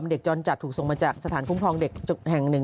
จรจัดถูกส่งมาจากสถานคุ้มครองเด็กแห่งหนึ่ง